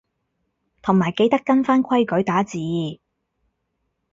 同埋記得跟返規矩打字